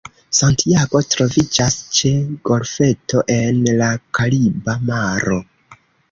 Santiago troviĝas ĉe golfeto en la Kariba Maro.